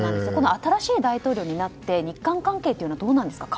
新しい大統領になって日韓関係はどうなるんですか。